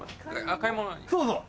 そうそう。